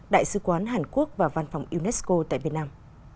đại sứ quán hàn quốc và văn phòng unesco tại việt nam